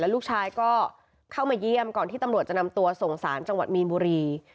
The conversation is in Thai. ลูกชายก็เข้ามาเยี่ยมก่อนที่ตำรวจจะนำตัวส่งสารจังหวัดมีนบุรี